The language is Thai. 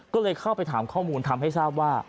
ก็เลยเข้าไปถามข้อมูลทำให้ทราบว่า